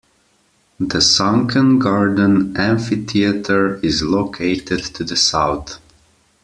The Sunken Garden amphitheater is located to the south.